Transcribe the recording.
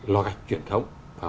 lo gạch truyền thống